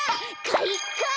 かいか！